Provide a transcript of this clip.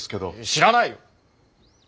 知らない。